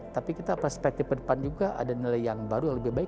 tapi kita perspektif ke depan juga ada nilai yang baru yang lebih baik